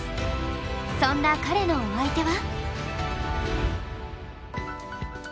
そんな彼のお相手は。